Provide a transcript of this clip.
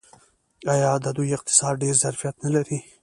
آیا د دوی اقتصاد ډیر ظرفیت نلري؟